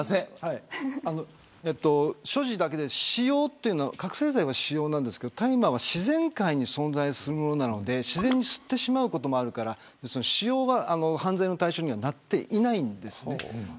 所持だけで使用というのは覚せい剤は使用なんですけど大麻は自然界に存在するので自然に吸ってしまうこともあるから使用は犯罪の対象にはなっていないんです。